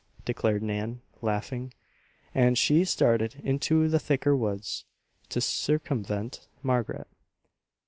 declared Nan, laughing, and she started into the thicker woods to circumvent Margaret.